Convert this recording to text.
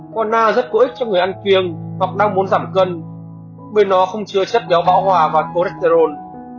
còn na rất có ích cho người ăn kiêng hoặc đang muốn giảm cân bởi nó không chứa chất béo bão hòa và cholesterol